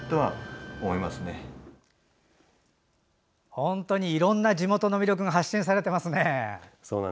本当にいろんな地元の魅力が発信されていますね。